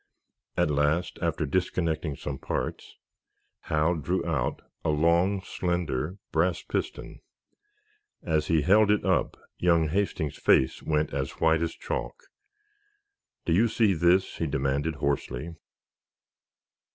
At last, after disconnecting some parts, Hal drew out a long, slender brass piston. As he held it up young Hastings's face went as white as chalk. "Do you see this?" he demanded, hoarsely.